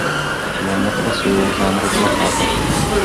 Плённа працуе ў жанры плаката.